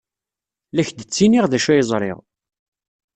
La ak-d-ttiniɣ d acu ay ẓriɣ.